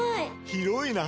広いな！